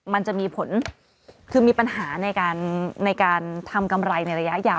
มันจะมีผลคือมีปัญหาในการทำกำไรในระยะยาว